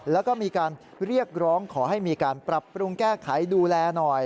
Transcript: แล้วก็มีการเรียกร้องขอให้มีการปรับปรุงแก้ไขดูแลหน่อย